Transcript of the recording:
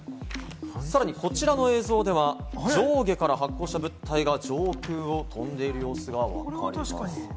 さらにこちらの映像では、上下から発光した物体が上空を飛んでいる様子がわかります。